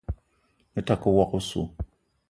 Me ta ke woko oso.